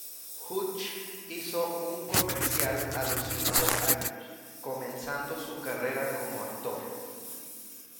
Hutch hizo un comercial a los cinco años, comenzando su carrera como actor.